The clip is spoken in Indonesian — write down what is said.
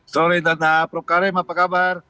sorry tanda prof karim apa kabar